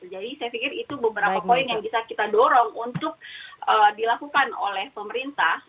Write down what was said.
jadi saya pikir itu beberapa poin yang bisa kita dorong untuk dilakukan oleh pemerintah